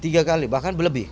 tiga kali bahkan berlebih